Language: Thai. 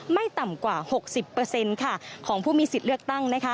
ไม่ต่ำกว่า๖๐ของผู้มีสิทธิ์เลือกตั้ง